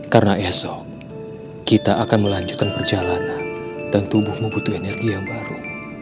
karena esok kita akan melanjutkan perjalanan dan tubuhmu butuh energi yang baru